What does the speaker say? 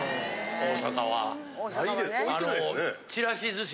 大阪はね。